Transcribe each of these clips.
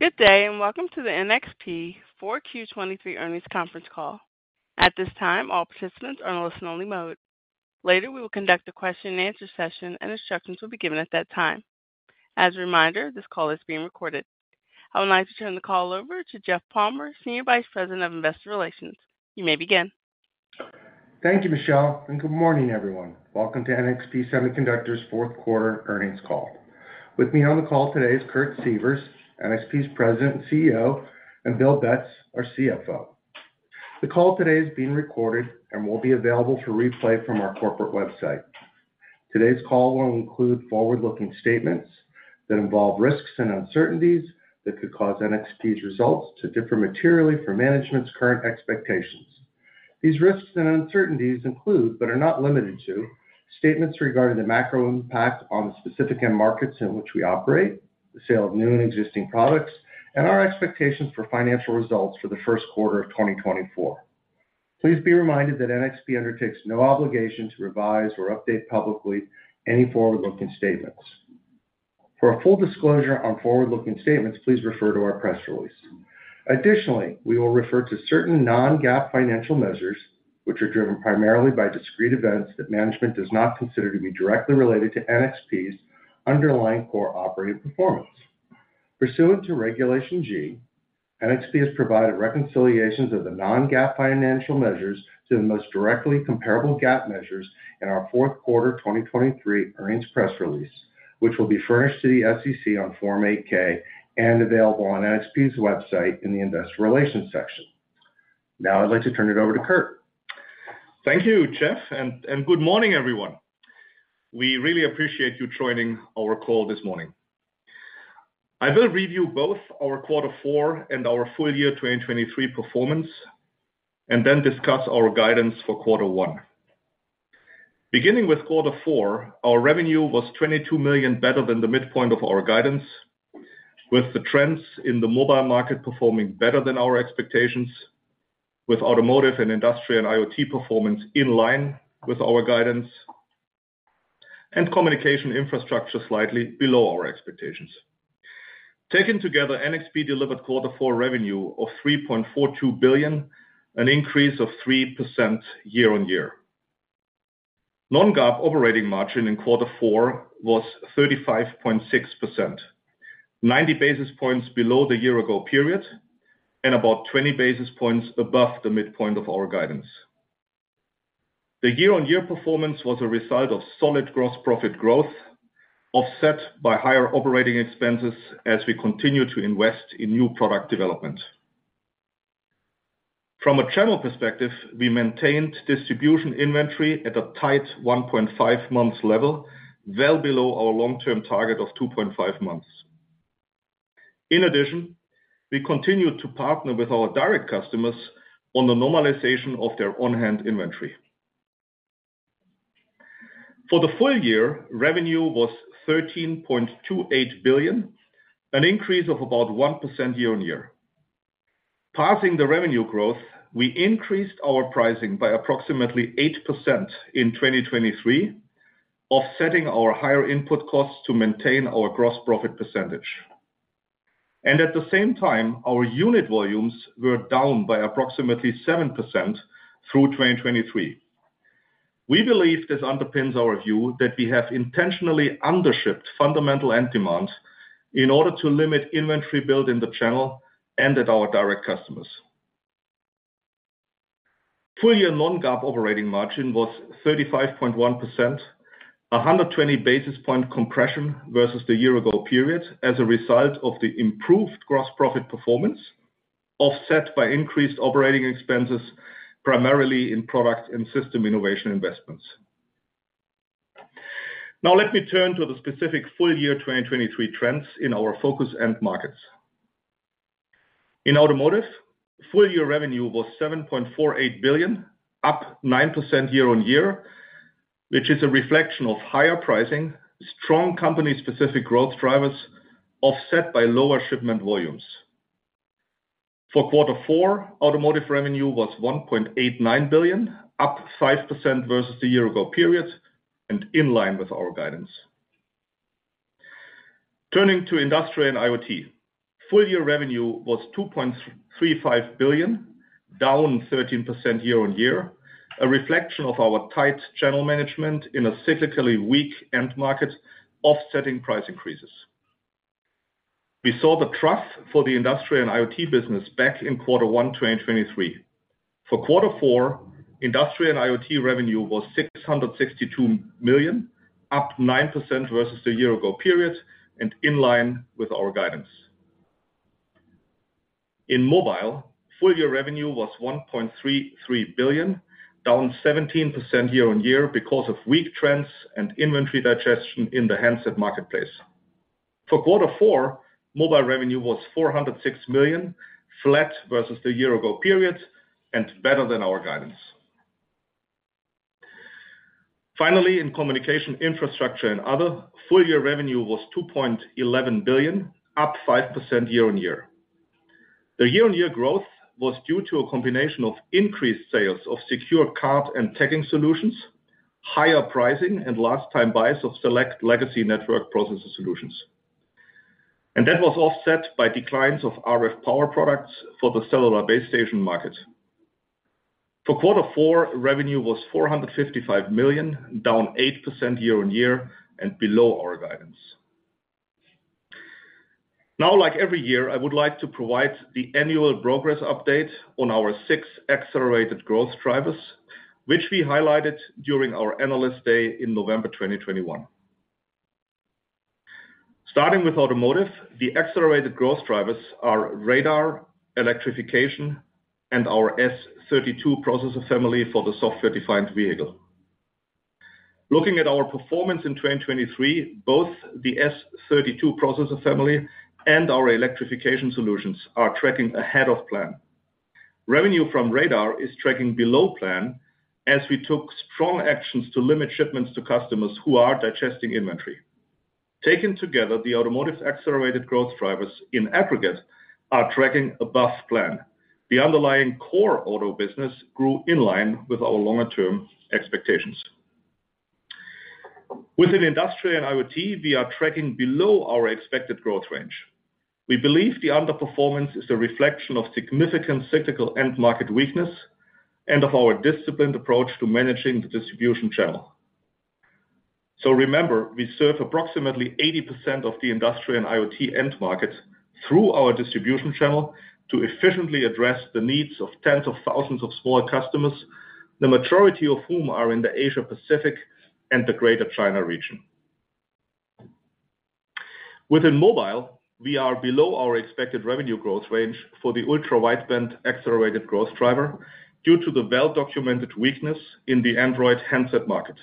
Good day, and welcome to the NXP 4Q 2023 Earnings Conference Call. At this time, all participants are in listen-only mode. Later, we will conduct a question-and-answer session, and instructions will be given at that time. As a reminder, this call is being recorded. I would like to turn the call over to Jeff Palmer, Senior Vice President of Investor Relations. You may begin. Thank you, Michelle, and good morning, everyone. Welcome to NXP Semiconductors fourth quarter earnings call. With me on the call today is Kurt Sievers, NXP's President and CEO, and Bill Betz, our CFO. The call today is being recorded and will be available for replay from our corporate website. Today's call will include forward-looking statements that involve risks and uncertainties that could cause NXP's results to differ materially from management's current expectations. These risks and uncertainties include, but are not limited to, statements regarding the macro impact on the specific end markets in which we operate, the sale of new and existing products, and our expectations for financial results for the first quarter of 2024. Please be reminded that NXP undertakes no obligation to revise or update publicly any forward-looking statements. For a full disclosure on forward-looking statements, please refer to our press release. Additionally, we will refer to certain non-GAAP financial measures, which are driven primarily by discrete events that management does not consider to be directly related to NXP's underlying core operating performance. Pursuant to Regulation G, NXP has provided reconciliations of the non-GAAP financial measures to the most directly comparable GAAP measures in our fourth quarter 2023 earnings press release, which will be furnished to the SEC on Form 8-K and available on NXP's website in the Investor Relations section. Now I'd like to turn it over to Kurt. Thank you, Jeff, and good morning, everyone. We really appreciate you joining our call this morning. I will review both our Quarter 4 and our full-year 2023 performance, and then discuss our guidance for Quarter 1. Beginning with Quarter 4, our revenue was $22 million, better than the midpoint of our guidance, with the trends in the mobile market performing better than our expectations, with automotive and Industrial IoT performance in line with our guidance, and communication infrastructure slightly below our expectations. Taken together, NXP delivered Quarter 4 revenue of $3.42 billion, an increase of 3% year-on-year. Non-GAAP operating margin in Quarter 4 was 35.6%, 90 basis points below the year ago period, and about 20 basis points above the midpoint of our guidance. The year-over-year performance was a result of solid gross profit growth, offset by higher operating expenses as we continue to invest in new product development. From a channel perspective, we maintained distribution inventory at a tight 1.5 months level, well below our long-term target of 2.5 months. In addition, we continued to partner with our direct customers on the normalization of their on-hand inventory. For the full year, revenue was $13.28 billion, an increase of about 1% year-over-year. Passing the revenue growth, we increased our pricing by approximately 8% in 2023, offsetting our higher input costs to maintain our gross profit percentage. At the same time, our unit volumes were down by approximately 7% through 2023. We believe this underpins our view that we have intentionally undershipped fundamental end demands in order to limit inventory build in the channel and at our direct customers. Full year non-GAAP operating margin was 35.1%, 120 basis point compression versus the year ago period, as a result of the improved gross profit performance, offset by increased operating expenses, primarily in product and system innovation investments. Now, let me turn to the specific full year 2023 trends in our focus end markets. In automotive, full year revenue was $7.48 billion, up 9% year-on-year, which is a reflection of higher pricing, strong company-specific growth drivers, offset by lower shipment volumes. For Quarter 4, automotive revenue was $1.89 billion, up 5% versus the year ago period, and in line with our guidance. Turning to Industrial and IoT, full-year revenue was $2.35 billion, down 13% year-on-year, a reflection of our tight channel management in a cyclically weak end market, offsetting price increases. We saw the trough for the Industrial and IoT business back in Quarter 1, 2023. For Quarter 4, Industrial and IoT revenue was $662 million, up 9% versus the year-ago period, and in line with our guidance. In Mobile, full-year revenue was $1.33 billion, down 17% year-on-year because of weak trends and inventory digestion in the handset marketplace. For Quarter 4, Mobile revenue was $406 million, flat versus the year-ago period, and better than our guidance. Finally, in communication infrastructure and other, full-year revenue was $2.11 billion, up 5% year-on-year.... The year-on-year growth was due to a combination of increased sales of secure card and tagging solutions, higher pricing, and last-time buys of select legacy network processor solutions. That was offset by declines of RF power products for the cellular base station market. For quarter four, revenue was $455 million, down 8% year-on-year and below our guidance. Now, like every year, I would like to provide the annual progress update on our six accelerated growth drivers, which we highlighted during our Analyst Day in November 2021. Starting with automotive, the accelerated growth drivers are Radar, electrification, and our S32 processor family for the software-defined vehicle. Looking at our performance in 2023, both the S32 processor family and our electrification solutions are tracking ahead of plan. Revenue from Radar is tracking below plan, as we took strong actions to limit shipments to customers who are digesting inventory. Taken together, the automotive's accelerated growth drivers in aggregate are tracking above plan. The underlying core auto business grew in line with our longer-term expectations. Within industrial and IoT, we are tracking below our expected growth range. We believe the underperformance is a reflection of significant cyclical end market weakness and of our disciplined approach to managing the distribution channel. So remember, we serve approximately 80% of the industrial and IoT end markets through our distribution channel to efficiently address the needs of tens of thousands of smaller customers, the majority of whom are in the Asia Pacific and the Greater China region. Within mobile, we are below our expected revenue growth range for the Ultra-Wideband accelerated growth driver due to the well-documented weakness in the Android handset market.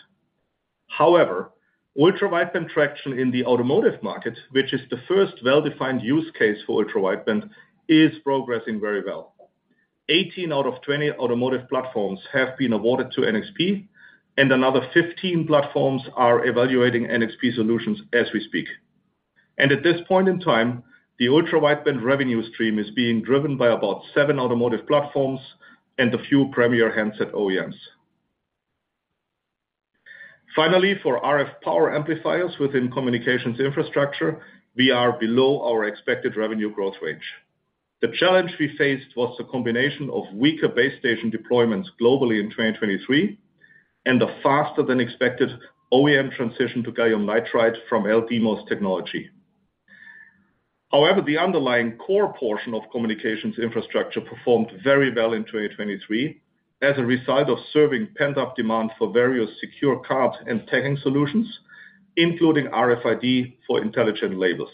However, Ultra-Wideband traction in the automotive market, which is the first well-defined use case for Ultra-Wideband, is progressing very well. 18 out of 20 automotive platforms have been awarded to NXP, and another 15 platforms are evaluating NXP solutions as we speak. And at this point in time, the Ultra-Wideband revenue stream is being driven by about 7 automotive platforms and a few premier handset OEMs. Finally, for RF power amplifiers within communications infrastructure, we are below our expected revenue growth range. The challenge we faced was the combination of weaker base station deployments globally in 2023, and the faster-than-expected OEM transition to Gallium Nitride from LDMOS technology. However, the underlying core portion of communications infrastructure performed very well in 2023 as a result of serving pent-up demand for various secure cards and tagging solutions, including RFID for intelligent labels.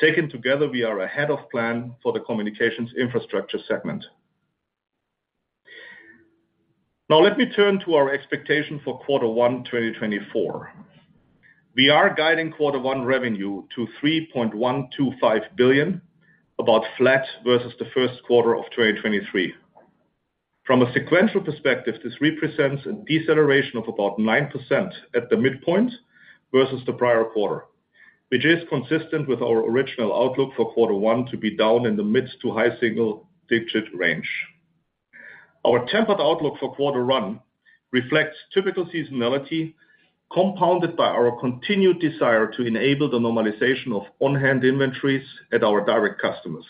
Taken together, we are ahead of plan for the communications infrastructure segment. Now let me turn to our expectation for Quarter 1 2024. We are guiding Quarter 1 revenue to $3.125 billion, about flat versus the first quarter of 2023. From a sequential perspective, this represents a deceleration of about 9% at the midpoint versus the prior quarter, which is consistent with our original outlook for Quarter 1 to be down in the mid- to high-single-digit range. Our tempered outlook for Quarter 1 reflects typical seasonality, compounded by our continued desire to enable the normalization of on-hand inventories at our direct customers,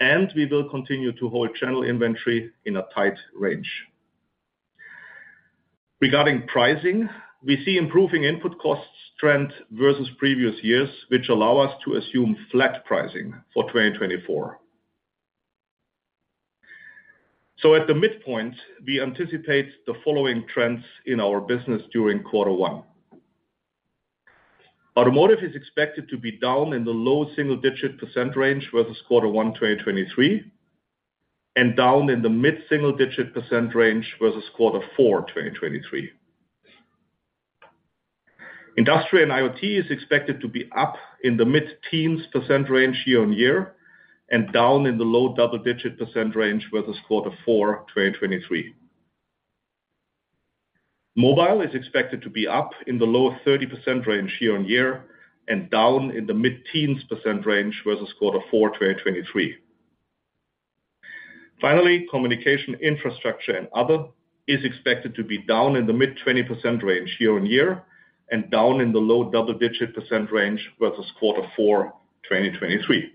and we will continue to hold channel inventory in a tight range. Regarding pricing, we see improving input costs trend versus previous years, which allow us to assume flat pricing for 2024. So at the midpoint, we anticipate the following trends in our business during Quarter 1: Automotive is expected to be down in the low single-digit % range versus Quarter 1 2023, and down in the mid-single-digit % range versus Quarter 4 2023. Industrial and IoT is expected to be up in the mid-teens % range year-on-year, and down in the low double-digit % range versus Quarter 4 2023. Mobile is expected to be up in the low-30% range year-on-year, and down in the mid-teens% range versus Quarter Four 2023. Finally, Communication Infrastructure and Other is expected to be down in the mid-20% range year-on-year, and down in the low double-digit% range versus Quarter Four 2023.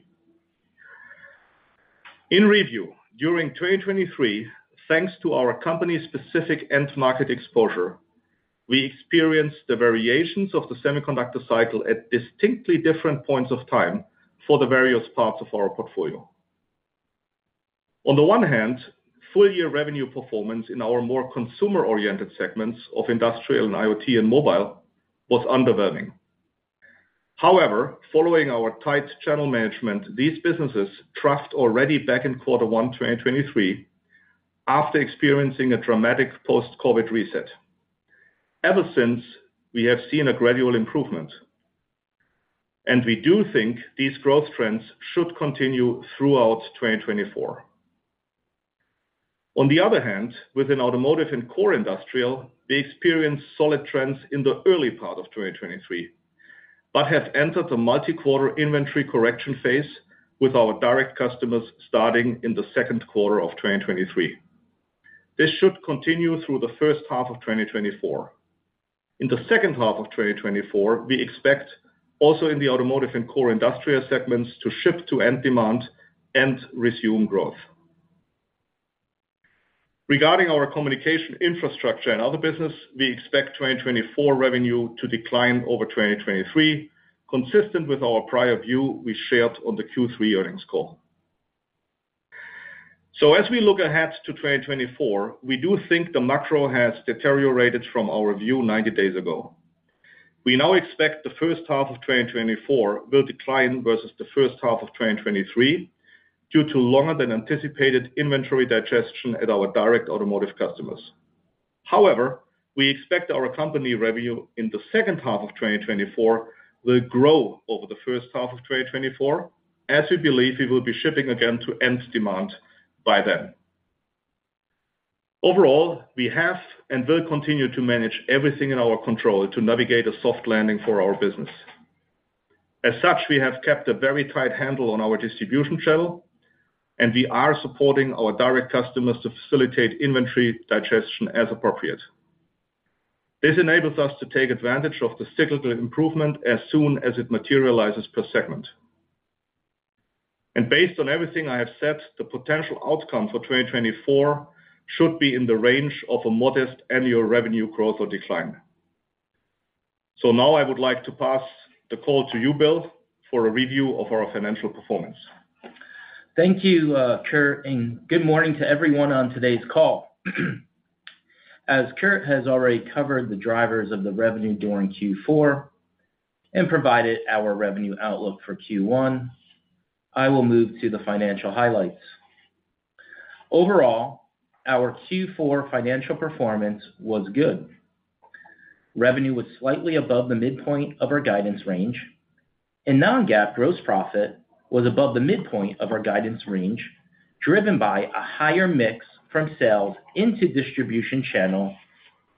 In review, during 2023, thanks to our company's specific end market exposure, we experienced the variations of the semiconductor cycle at distinctly different points of time for the various parts of our portfolio. On the one hand, full-year revenue performance in our more consumer-oriented segments of industrial and IoT and mobile was underwhelming. However, following our tight channel management, these businesses tracked already back in Quarter One 2023, after experiencing a dramatic post-COVID reset. Ever since, we have seen a gradual improvement, and we do think these growth trends should continue throughout 2024. On the other hand, within automotive and core industrial, we experienced solid trends in the early part of 2023, but have entered a multi-quarter inventory correction phase with our direct customers starting in the second quarter of 2023. This should continue through the first half of 2024. In the second half of 2024, we expect also in the automotive and core industrial segments to ship to end demand and resume growth. Regarding our communication infrastructure and other business, we expect 2024 revenue to decline over 2023, consistent with our prior view we shared on the Q3 earnings call. So as we look ahead to 2024, we do think the macro has deteriorated from our view 90 days ago. We now expect the first half of 2024 will decline versus the first half of 2023, due to longer than anticipated inventory digestion at our direct automotive customers. However, we expect our company revenue in the second half of 2024 will grow over the first half of 2024, as we believe we will be shipping again to end demand by then. Overall, we have and will continue to manage everything in our control to navigate a soft landing for our business. As such, we have kept a very tight handle on our distribution channel, and we are supporting our direct customers to facilitate inventory digestion as appropriate. This enables us to take advantage of the cyclical improvement as soon as it materializes per segment. Based on everything I have said, the potential outcome for 2024 should be in the range of a modest annual revenue growth or decline. Now I would like to pass the call to you, Bill, for a review of our financial performance. Thank you, Kurt, and good morning to everyone on today's call. As Kurt has already covered the drivers of the revenue during Q4 and provided our revenue outlook for Q1, I will move to the financial highlights. Overall, our Q4 financial performance was good. Revenue was slightly above the midpoint of our guidance range, and non-GAAP gross profit was above the midpoint of our guidance range, driven by a higher mix from sales into distribution channel,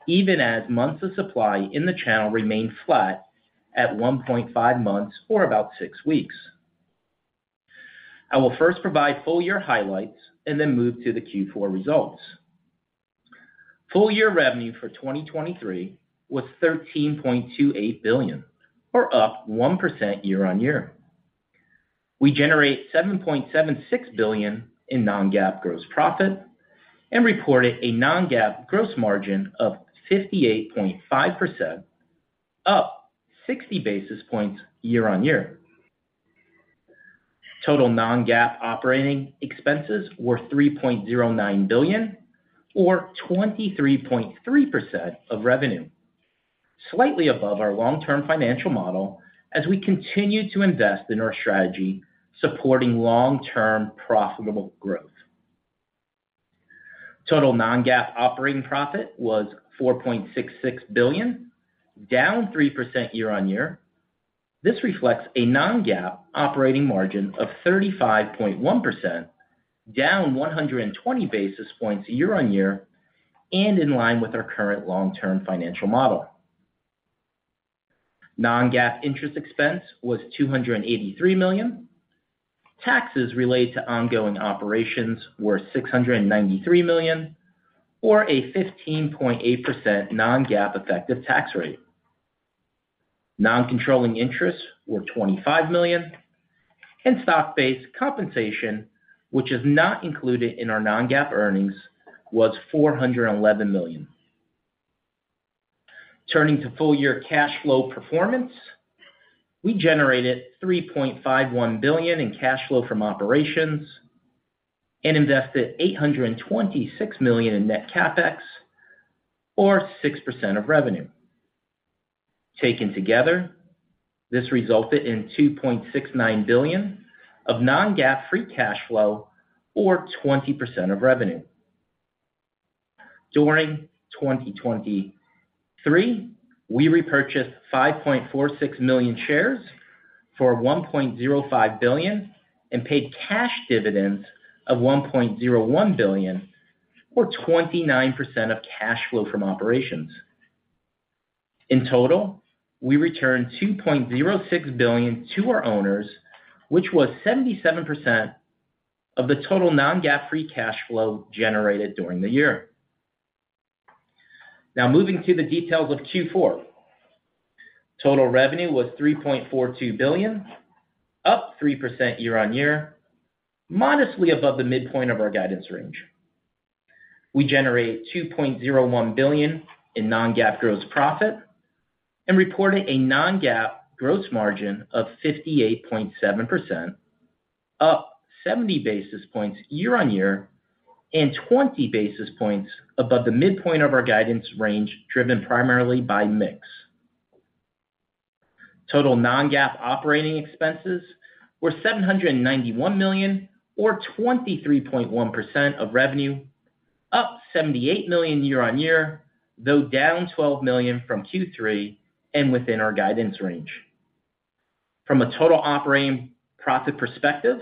even as months of supply in the channel remained flat at 1.5 months, or about 6 weeks. I will first provide full year highlights and then move to the Q4 results. Full year revenue for 2023 was $13.28 billion, or up 1% year-on-year. We generate $7.76 billion in non-GAAP gross profit and reported a non-GAAP gross margin of 58.5%, up sixty basis points year-on-year. Total non-GAAP operating expenses were $3.09 billion or 23.3% of revenue, slightly above our long-term financial model as we continue to invest in our strategy, supporting long-term profitable growth. Total non-GAAP operating profit was $4.66 billion, down 3% year-on-year. This reflects a non-GAAP operating margin of 35.1%, down one hundred and twenty basis points year-on-year, and in line with our current long-term financial model. Non-GAAP interest expense was $283 million. Taxes related to ongoing operations were $693 million, or a 15.8% non-GAAP effective tax rate. Non-controlling interests were $25 million, and stock-based compensation, which is not included in our Non-GAAP earnings, was $411 million. Turning to full year cash flow performance, we generated $3.51 billion in cash flow from operations and invested $826 million in net CapEx, or 6% of revenue. Taken together, this resulted in $2.69 billion of Non-GAAP free cash flow or 20% of revenue. During 2023, we repurchased 5.46 million shares for $1.05 billion, and paid cash dividends of $1.01 billion, or 29% of cash flow from operations. In total, we returned $2.06 billion to our owners, which was 77% of the total Non-GAAP free cash flow generated during the year. Now, moving to the details of Q4. Total revenue was $3.42 billion, up 3% year-on-year, modestly above the midpoint of our guidance range. We generate $2.01 billion in non-GAAP gross profit and reported a non-GAAP gross margin of 58.7%, up 70 basis points year-on-year and 20 basis points above the midpoint of our guidance range, driven primarily by mix. Total non-GAAP operating expenses were $791 million or 23.1% of revenue, up $78 million year-on-year, though down $12 million from Q3 and within our guidance range. From a total operating profit perspective,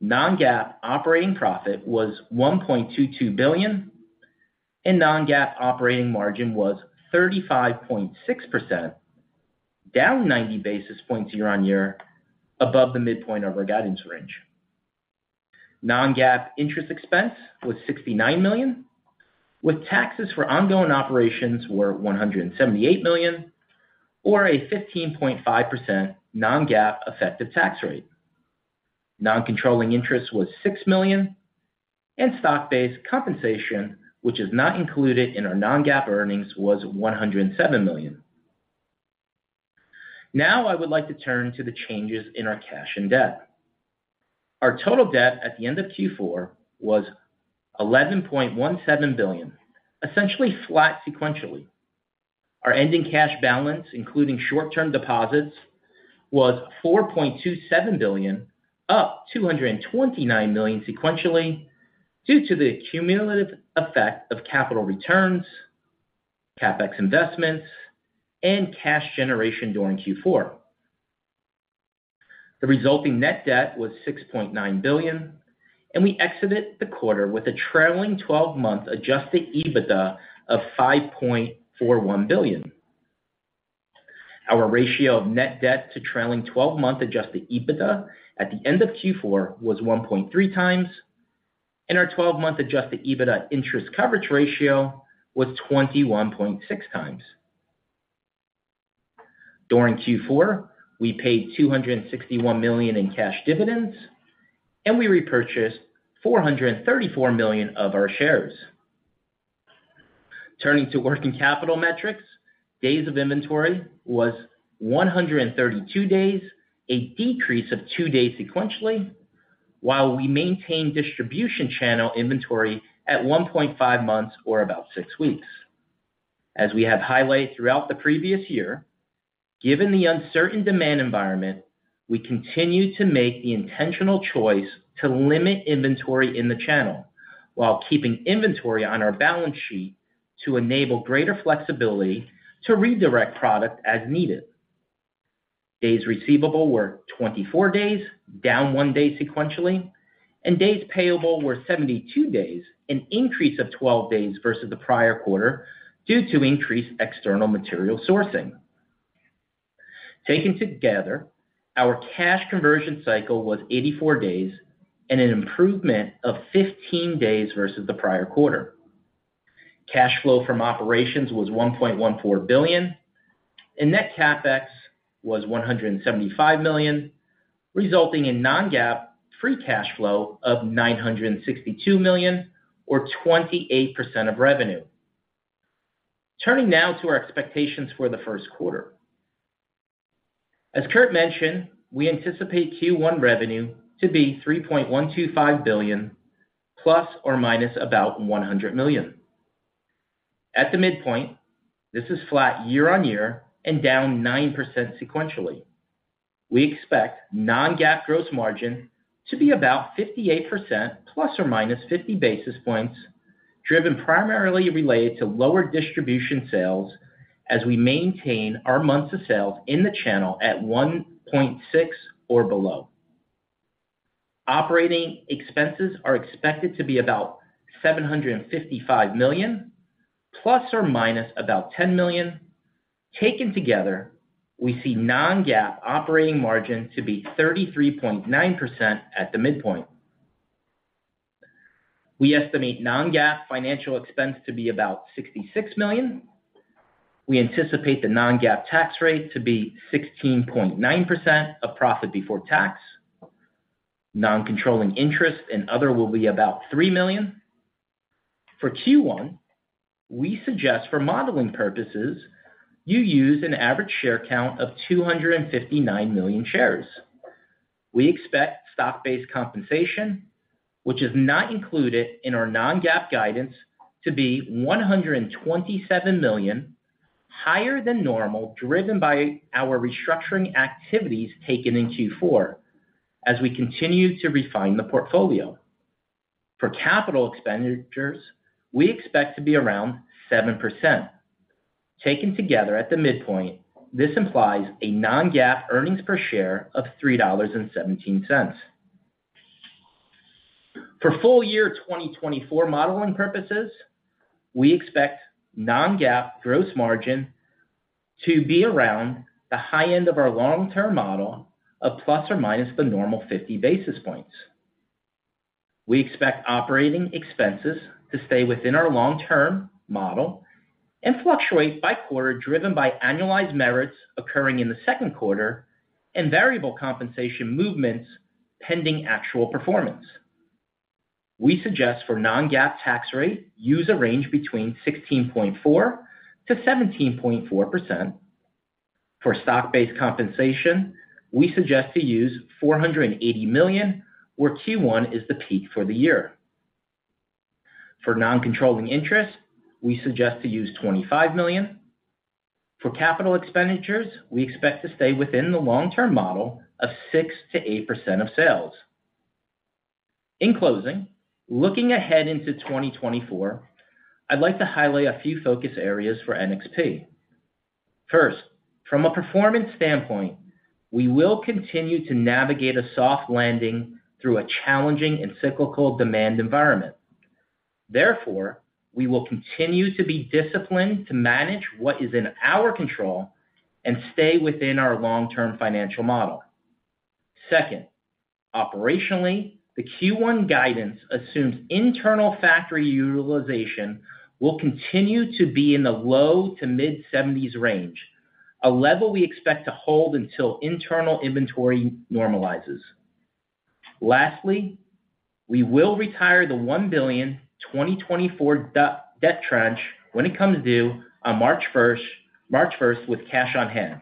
non-GAAP operating profit was $1.22 billion, and non-GAAP operating margin was 35.6%, down 90 basis points year-on-year above the midpoint of our guidance range. Non-GAAP interest expense was $69 million, with taxes for ongoing operations were $178 million, or a 15.5% non-GAAP effective tax rate. Non-controlling interest was $6 million, and stock-based compensation, which is not included in our non-GAAP earnings, was $107 million. Now, I would like to turn to the changes in our cash and debt. Our total debt at the end of Q4 was $11.17 billion, essentially flat sequentially. Our ending cash balance, including short-term deposits, was $4.27 billion, up $229 million sequentially, due to the cumulative effect of capital returns, CapEx investments, and cash generation during Q4. The resulting net debt was $6.9 billion, and we exited the quarter with a trailing twelve-month adjusted EBITDA of $5.41 billion. Our ratio of net debt to trailing twelve-month adjusted EBITDA at the end of Q4 was 1.3x, and our twelve-month adjusted EBITDA interest coverage ratio was 21.6x. During Q4, we paid $261 million in cash dividends, and we repurchased $434 million of our shares. Turning to working capital metrics. Days of inventory was 132 days, a decrease of 2 days sequentially, while we maintained distribution channel inventory at 1.5 months or about six weeks. As we have highlighted throughout the previous year, given the uncertain demand environment, we continue to make the intentional choice to limit inventory in the channel while keeping inventory on our balance sheet to enable greater flexibility to redirect product as needed. Days receivable were 24 days, down 1 day sequentially, and days payable were 72 days, an increase of 12 days versus the prior quarter, due to increased external material sourcing. Taken together, our cash conversion cycle was 84 days and an improvement of 15 days versus the prior quarter. Cash flow from operations was $1.14 billion, and net CapEx was $175 million, resulting in non-GAAP free cash flow of $962 million or 28% of revenue. Turning now to our expectations for the first quarter. As Kurt mentioned, we anticipate Q1 revenue to be $3.125 billion ± about $100 million. At the midpoint, this is flat year-over-year and down 9% sequentially. We expect non-GAAP gross margin to be about 58% ±50 basis points, driven primarily related to lower distribution sales as we maintain our months of sales in the channel at 1.6 or below. Operating expenses are expected to be about $755 million ±$10 million. Taken together, we see non-GAAP operating margin to be 33.9% at the midpoint. We estimate non-GAAP financial expense to be about $66 million. We anticipate the non-GAAP tax rate to be 16.9% of profit before tax. Non-controlling interest and other will be about $3 million. For Q1, we suggest for modeling purposes, you use an average share count of 259 million shares. We expect stock-based compensation, which is not included in our non-GAAP guidance, to be $127 million, higher than normal, driven by our restructuring activities taken in Q4 as we continue to refine the portfolio. For capital expenditures, we expect to be around 7%. Taken together at the midpoint, this implies a non-GAAP earnings per share of $3.17. For full year 2024 modeling purposes, we expect non-GAAP gross margin to be around the high end of our long-term model of ±50 basis points. We expect operating expenses to stay within our long-term model and fluctuate by quarter, driven by annualized merits occurring in the second quarter and variable compensation movements pending actual performance. We suggest for non-GAAP tax rate, use a range between 16.4%-17.4%. For stock-based compensation, we suggest to use $480 million, where Q1 is the peak for the year. For non-controlling interest, we suggest to use $25 million. For capital expenditures, we expect to stay within the long-term model of 6%-8% of sales... In closing, looking ahead into 2024, I'd like to highlight a few focus areas for NXP. First, from a performance standpoint, we will continue to navigate a soft landing through a challenging and cyclical demand environment. Therefore, we will continue to be disciplined to manage what is in our control and stay within our long-term financial model. Second, operationally, the Q1 guidance assumes internal factory utilization will continue to be in the low- to mid-70s range, a level we expect to hold until internal inventory normalizes. Lastly, we will retire the $1 billion 2024 debt tranche when it comes due on March 1 with cash on hand.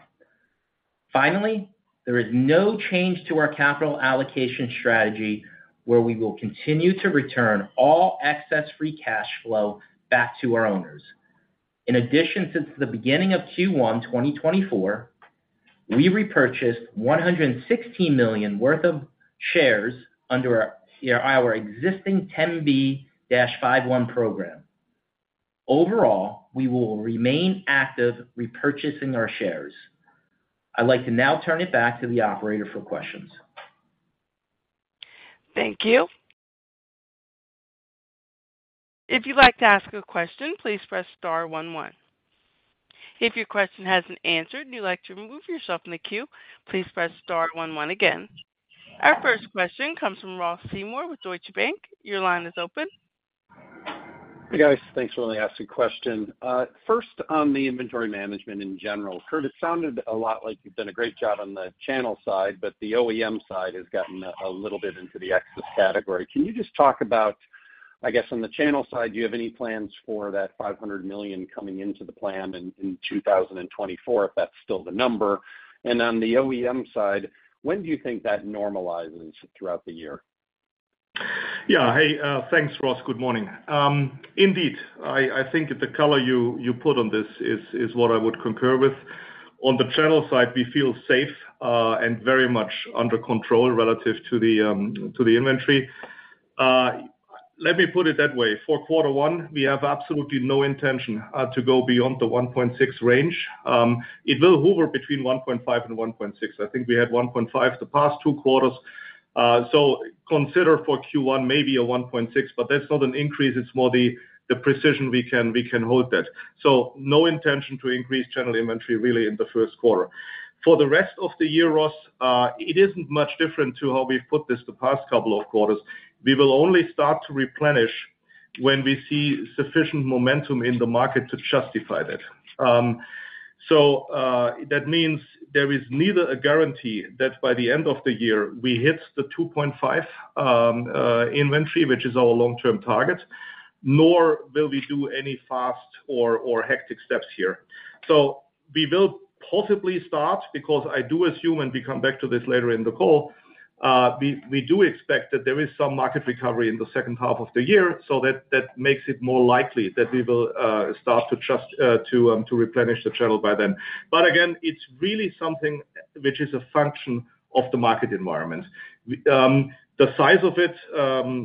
Finally, there is no change to our capital allocation strategy, where we will continue to return all excess free cash flow back to our owners. In addition, since the beginning of Q1 2024, we repurchased $116 million worth of shares under our existing 10b5-1 program. Overall, we will remain active, repurchasing our shares. I'd like to now turn it back to the operator for questions. Thank you. If you'd like to ask a question, please press star one, one. If your question hasn't answered and you'd like to remove yourself from the queue, please press star one, one again. Our first question comes from Ross Seymore with Deutsche Bank. Your line is open. Hey, guys. Thanks for letting me ask a question. First, on the inventory management in general, Kurt, it sounded a lot like you've done a great job on the channel side, but the OEM side has gotten a little bit into the excess category. Can you just talk about, I guess, on the channel side, do you have any plans for that $500 million coming into the plan in 2024, if that's still the number? And on the OEM side, when do you think that normalizes throughout the year? Yeah. Hey, thanks, Ross. Good morning. Indeed, I think the color you put on this is what I would concur with. On the channel side, we feel safe and very much under control relative to the inventory. Let me put it that way, for quarter one, we have absolutely no intention to go beyond the 1.6 range. It will hover between 1.5 and 1.6. I think we had 1.5 the past two quarters. So consider for Q1, maybe a 1.6, but that's not an increase, it's more the precision we can hold that. So no intention to increase channel inventory really in the first quarter. For the rest of the year, Ross, it isn't much different to how we've put this the past couple of quarters. We will only start to replenish when we see sufficient momentum in the market to justify that. So, that means there is neither a guarantee that by the end of the year we hit the 2.5, inventory, which is our long-term target, nor will we do any fast or, or hectic steps here. So we will possibly start, because I do assume, and we come back to this later in the call, we do expect that there is some market recovery in the second half of the year. So that makes it more likely that we will start to trust, to replenish the channel by then. But again, it's really something which is a function of the market environment. We, the size of it,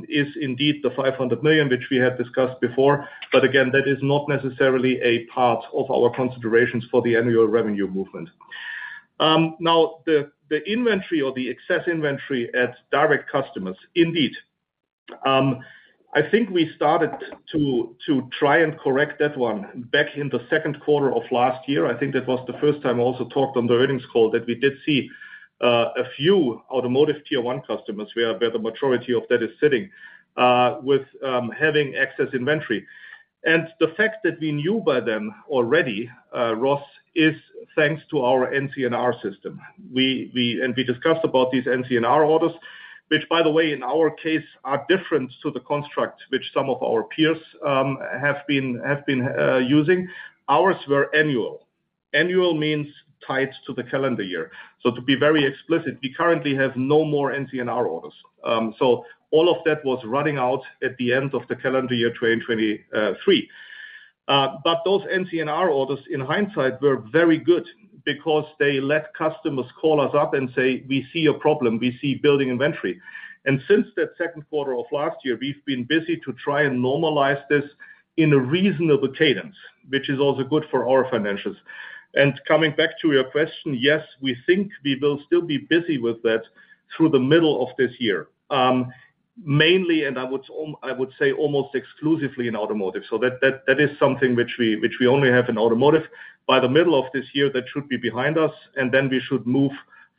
is indeed the $500 million, which we had discussed before, but again, that is not necesSAARily a part of our considerations for the annual revenue movement. Now, the inventory or the excess inventory at direct customers, indeed, I think we started to try and correct that one back in the second quarter of last year. I think that was the first time I also talked on the earnings call, that we did see a few automotive Tier 1 customers, where the majority of that is sitting with having excess inventory. And the fact that we knew by them already, Ross, is thanks to our NCNR system. And we discussed about these NCNR orders, which, by the way, in our case, are different to the construct which some of our peers have been using. Ours were annual. Annual means tied to the calendar year. So to be very explicit, we currently have no more NCNR orders. So all of that was running out at the end of the calendar year, 2023. But those NCNR orders, in hindsight, were very good because they let customers call us up and say, "We see a problem, we see building inventory." And since that second quarter of last year, we've been busy to try and normalize this in a reasonable cadence, which is also good for our financials. Coming back to your question, yes, we think we will still be busy with that through the middle of this year. Mainly, and I would say almost exclusively in automotive. So that is something which we only have in automotive. By the middle of this year, that should be behind us, and then we should move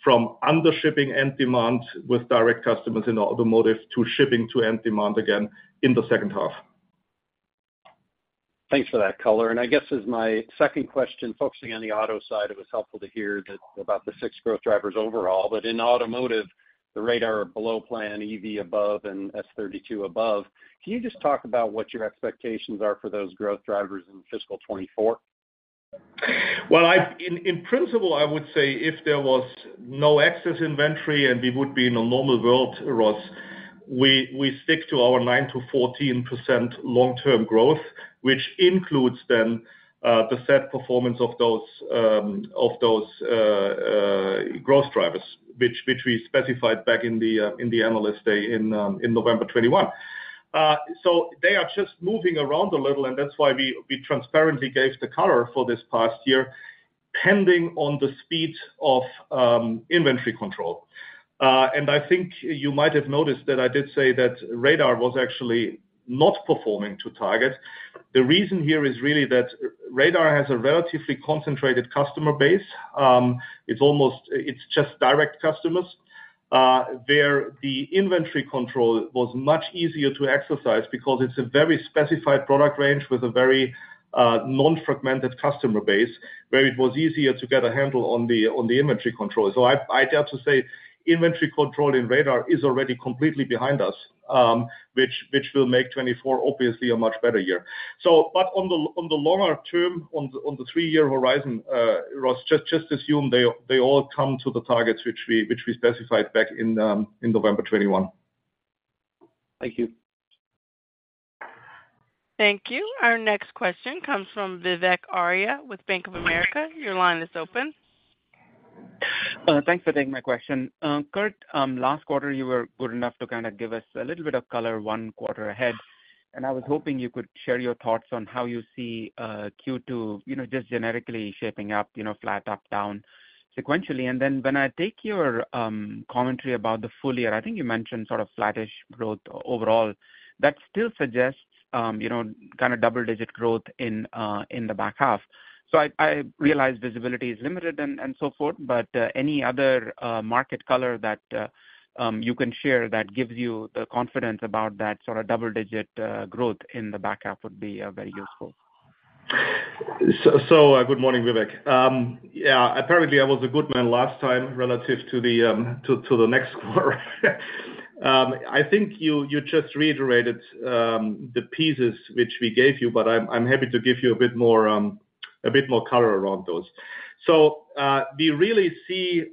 from under shipping end demand with direct customers in the automotive to shipping to end demand again in the second half. Thanks for that color. I guess as my second question, focusing on the auto side, it was helpful to hear that about the six growth drivers overall, but in automotive, the radar below plan, EV above and S32 above. Can you just talk about what your expectations are for those growth drivers in fiscal 2024? Well, in principle, I would say if there was no excess inventory and we would be in a normal world, Ross, we stick to our 9%-14% long-term growth, which includes then the set performance of those growth drivers, which we specified back in the Analyst Day in November 2021. So they are just moving around a little, and that's why we transparently gave the color for this past year, pending on the speed of inventory control. And I think you might have noticed that I did say that Radar was actually not performing to target. The reason here is really that Radar has a relatively concentrated customer base. It's almost, it's just direct customers. Where the inventory control was much easier to exercise because it's a very specified product range with a very non-fragmented customer base, where it was easier to get a handle on the inventory control. So I dare to say inventory control in radar is already completely behind us, which will make 2024 obviously a much better year. So but on the longer term, on the three-year horizon, Ross, just assume they all come to the targets which we specified back in November 2021. Thank you. Thank you. Our next question comes from Vivek Arya with Bank of America. Your line is open. Thanks for taking my question. Kurt, last quarter, you were good enough to kinda give us a little bit of color one quarter ahead, and I was hoping you could share your thoughts on how you see, Q2, you know, just generically shaping up, you know, flat up, down sequentially. And then when I take your, commentary about the full year, I think you mentioned sort of flattish growth overall. That still suggests, you know, kinda double-digit growth in, in the back half. So I, I realize visibility is limited and, and so forth, but, any other, market color that, you can share that gives you the confidence about that sort of double-digit, growth in the back half would be, very useful. So, good morning, Vivek. Yeah, apparently, I was a good man last time, relative to the next quarter. I think you just reiterated the pieces which we gave you, but I'm happy to give you a bit more color around those. So, we really see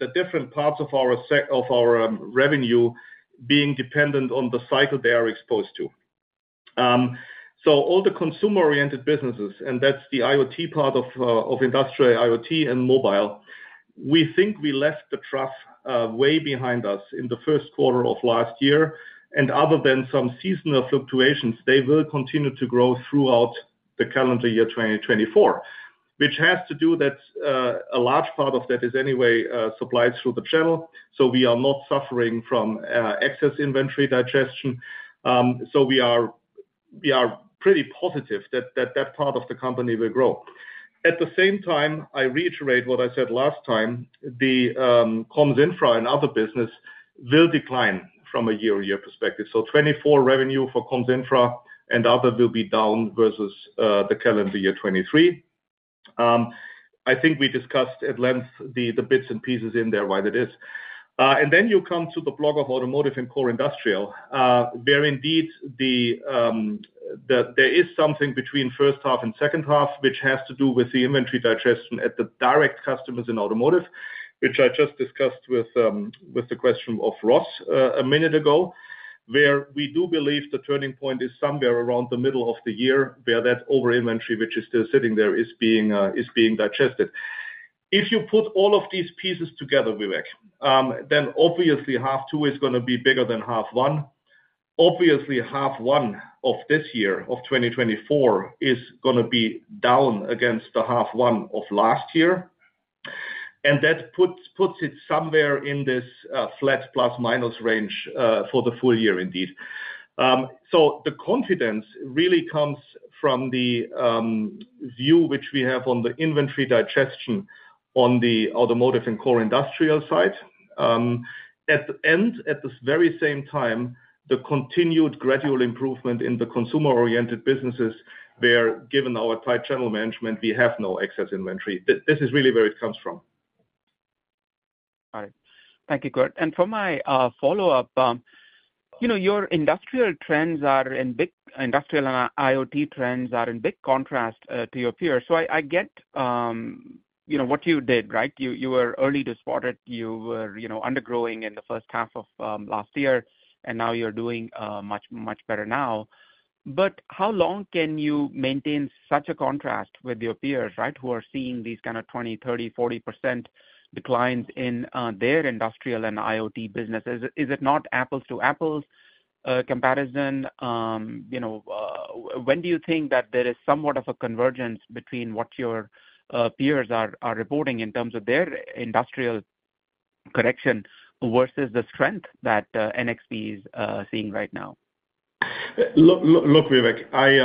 the different parts of our segments of our revenue being dependent on the cycle they are exposed to. So all the consumer-oriented businesses, and that's the IoT part of industrial IoT and mobile, we think we left the trough way behind us in the first quarter of last year, and other than some seasonal fluctuations, they will continue to grow throughout the calendar year 2024. Which has to do that, a large part of that is anyway supplied through the channel, so we are not suffering from excess inventory digestion. So we are, we are pretty positive that, that, that part of the company will grow. At the same time, I reiterate what I said last time: the comms, infra, and other business will decline from a year-over-year perspective. So 2024 revenue for comms, infra, and other will be down versus the calendar year 2023. I think we discussed at length the, the bits and pieces in there, why that is. And then you come to the block of automotive and core industrial, where indeed there is something between first half and second half, which has to do with the inventory digestion at the direct customers in automotive, which I just discussed with the question of Ross a minute ago. Where we do believe the turning point is somewhere around the middle of the year, where that over inventory, which is still sitting there, is being digested. If you put all of these pieces together, Vivek, then obviously half two is gonna be bigger than half one. Obviously, half one of this year, of 2024, is gonna be down against the half one of last year. And that puts it somewhere in this flat plus minus range for the full year indeed. So the confidence really comes from the view which we have on the inventory digestion on the automotive and core industrial side. At the end, at this very same time, the continued gradual improvement in the consumer-oriented businesses, where, given our tight channel management, we have no excess inventory. This is really where it comes from. All right. Thank you, Kurt. And for my follow-up, you know, your industrial and IoT trends are in big contrast to your peers. So I get, you know, what you did, right? You were early to spot it. You were undergrowing in the first half of last year, and now you're doing much, much better now. But how long can you maintain such a contrast with your peers, right, who are seeing these kind of 20, 30, 40% declines in their industrial and IoT businesses? Is it not apples to apples comparison? You know, when do you think that there is somewhat of a convergence between what your peers are reporting in terms of their industrial correction versus the strength that NXP is seeing right now? Look, look, Vivek, I,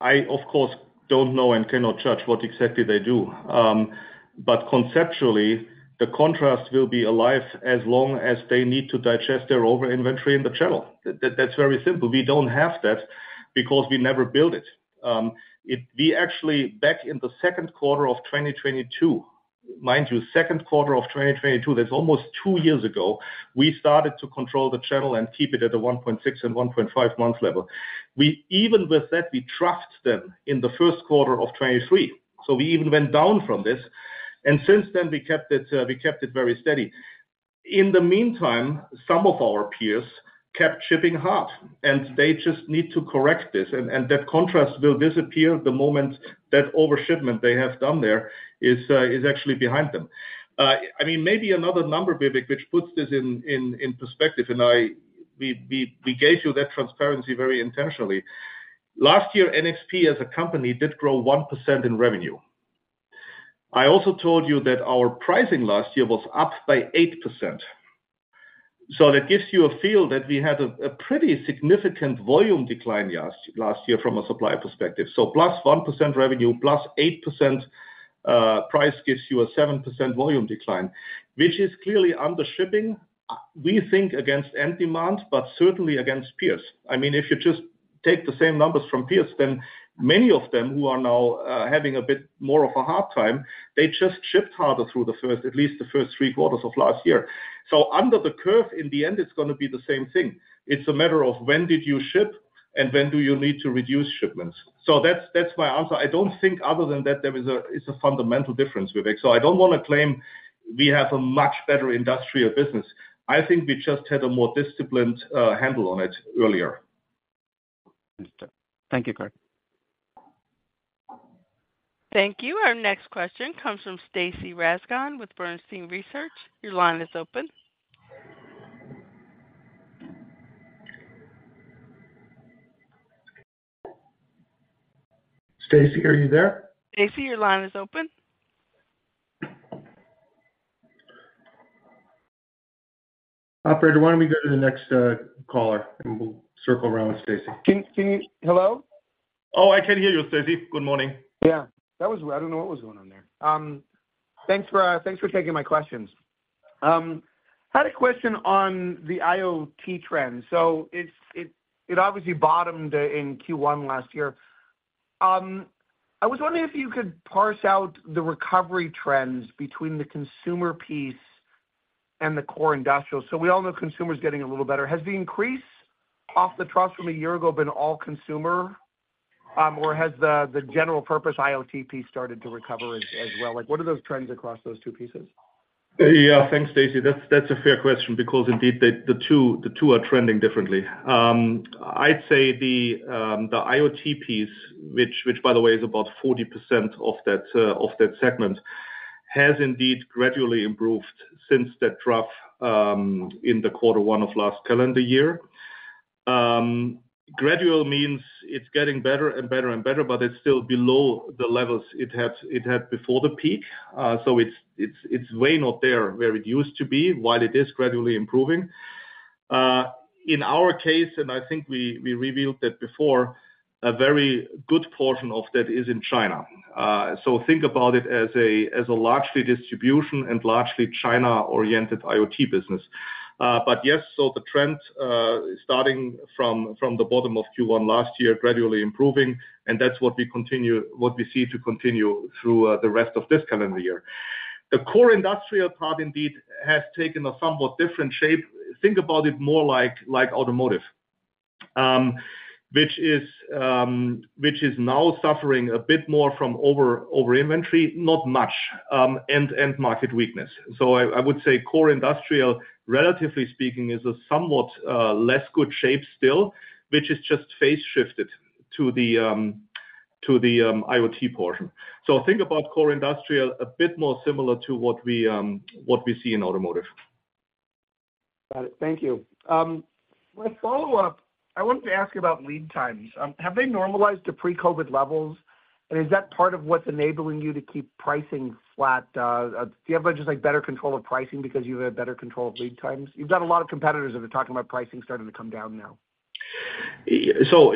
I, of course, don't know and cannot judge what exactly they do. But conceptually, the contrast will be alive as long as they need to digest their over-inventory in the channel. That, that's very simple. We don't have that because we never build it. It - we actually, back in the second quarter of 2022, mind you, second quarter of 2022, that's almost two years ago, we started to control the channel and keep it at the 1.6 and 1.5 months level. We - even with that, we trusted them in the first quarter of 2023, so we even went down from this, and since then, we kept it, we kept it very steady. In the meantime, some of our peers kept shipping hard, and they just need to correct this, and that contrast will disappear the moment that overshipment they have done there is actually behind them. I mean, maybe another number, Vivek, which puts this in perspective, and we gave you that transparency very intentionally. Last year, NXP as a company did grow 1% in revenue. I also told you that our pricing last year was up by 8%. So that gives you a feel that we had a pretty significant volume decline last year from a supply perspective. So plus 1% revenue, plus 8% price gives you a 7% volume decline, which is clearly under shipping, we think, against end demand, but certainly against peers. I mean, if you just take the same numbers from peers, then many of them who are now having a bit more of a hard time, they just shipped harder through the first, at least the first three quarters of last year. So under the curve, in the end, it's gonna be the same thing. It's a matter of when did you ship and when do you need to reduce shipments. So that's, that's my answer. I don't think other than that, there is a, it's a fundamental difference, Vivek. So I don't want to claim we have a much better industrial business. I think we just had a more disciplined handle on it earlier. Understood. Thank you, Kurt. Thank you. Our next question comes from Stacy Rasgon with Bernstein Research. Your line is open. Stacy, are you there? Stacy, your line is open. Operator, why don't we go to the next caller, and we'll circle around with Stacy. Can you? Hello? Oh, I can hear you, Stacy. Good morning. Yeah, that was... I don't know what was going on there. Thanks for taking my questions. I had a question on the IoT trend. So it's, it, it obviously bottomed in Q1 last year. I was wondering if you could parse out the recovery trends between the consumer piece and the core industrial. So we all know consumer is getting a little better. Has the increase off the trough from a year ago been all consumer, or has the general purpose IoT piece started to recover as well? Like, what are those trends across those two pieces? Yeah. Thanks, Stacy. That's a fair question because indeed, the two are trending differently. I'd say the IoT piece, which, by the way, is about 40% of that segment, has indeed gradually improved since that trough in quarter one of last calendar year. Gradual means it's getting better and better and better, but it's still below the levels it had before the peak. So it's way not there, where it used to be, while it is gradually improving. In our case, and I think we revealed that before, a very good portion of that is in China. So think about it as a largely distribution and largely China-oriented IoT business. But yes, so the trend, starting from the bottom of Q1 last year, gradually improving, and that's what we continue—what we see to continue through the rest of this calendar year. The core industrial part, indeed, has taken a somewhat different shape. Think about it more like automotive, which is now suffering a bit more from over-inventory, not much end-market weakness. So I would say core industrial, relatively speaking, is in a somewhat less good shape still, which is just phase shifted to the IoT portion. So think about core industrial a bit more similar to what we see in automotive. Got it. Thank you. My follow-up, I wanted to ask about lead times. Have they normalized to pre-COVID levels, and is that part of what's enabling you to keep pricing flat? Do you have just, like, better control of pricing because you have better control of lead times? You've got a lot of competitors that are talking about pricing starting to come down now. So